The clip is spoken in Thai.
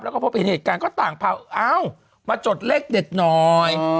แล้วก็พบเห็นเหตุการณ์ก็ต่างเผาเอ้ามาจดเลขเด็ดหน่อย